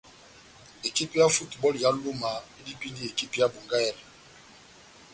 Ekipi ya Futubὸlu ya Luma edipindi ekipi ya Bongahèlè.